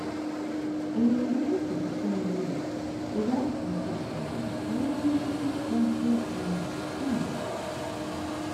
In winter same year, the Western Sector was totally reconstructed and expanded.